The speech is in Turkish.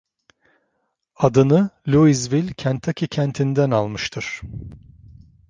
Adını Louisville, Kentucky kentinden almıştır.